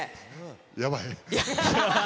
やばい。